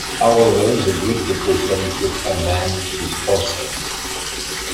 However, the Great Depression put an end to the concept.